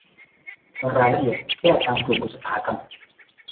รายละเอียดแยกตามกลุ่มอุตสาหกรรม